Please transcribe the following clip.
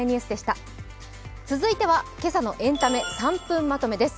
続いては今朝のエンタメ３分まとめです。